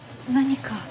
何か？